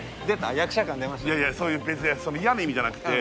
いやいやそういう別に嫌な意味じゃなくて。